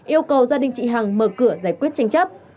yêu cầu gia đình chị hằng mở cửa giải quyết tranh chấp